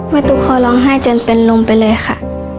ตุ๊กเคยร้องไห้จนเป็นลมไปเลยค่ะ